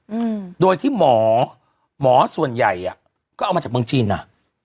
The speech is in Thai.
อืมโดยที่หมอหมอส่วนใหญ่อ่ะก็เอามาจากเมืองจีนอ่ะ